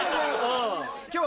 今日は。